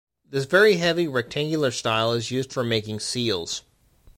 This very heavy, rectangular style is used for making seals.